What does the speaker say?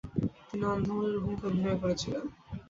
তিনি অন্ধমুনির ভূমিকায় অভিনয় করেছিলেন।